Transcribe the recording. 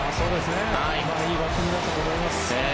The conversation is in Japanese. いいバッティングだったと思います。